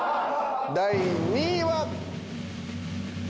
第２位は。